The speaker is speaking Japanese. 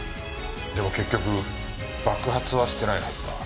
でも結局爆発はしてないはずだ。